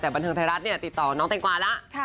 แต่บันเทิงไทยรัฐติดต่อน้องแตงกวาแล้ว